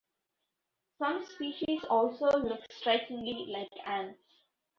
Some species also look strikingly like ants.